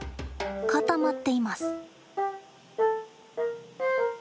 固まっています。